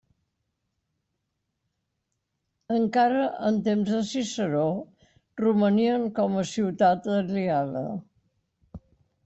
Encara en temps de Ciceró romanien com a ciutat aliada.